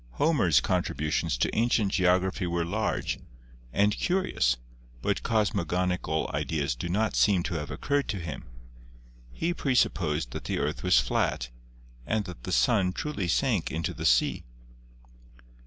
Homer's contributions to ancient geography were large Fig. 1 — The World According to Homer. — and curious, but cosmogonical ideas do not seem to have occurred to him. He presupposed that the earth was flat, and that the sun truly sank into the sea.